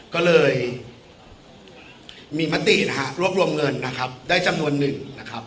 ก็เลยมีมติลวกรวมเงินได้จำนวนหนึ่ง